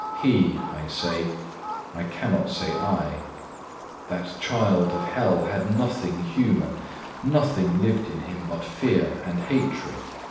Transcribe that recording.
He, I say—I cannot say, I. That child of Hell had nothing human; nothing lived in him but fear and hatred.